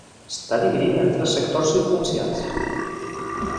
Està dividit en tres sectors diferenciats.